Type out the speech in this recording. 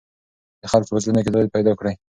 د خلکو په زړونو کې ځای پیدا کړئ.